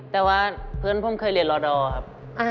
แต่ว่าเพื่อนผมเคยเรียนรอดอร์ครับ